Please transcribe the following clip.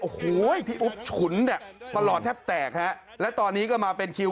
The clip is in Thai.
โอ้โห้ยพี่อุ๊บขุนปร่อนแทบแตกฮะและตอนนี้ก็มาเป็นฮาว